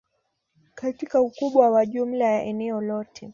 katika ukubwa wa jumla ya eneo lote